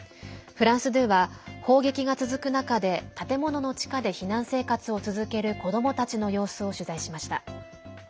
フランス２は砲撃が続く中で建物の地下で避難生活を続ける子どもたちの様子を取材しました。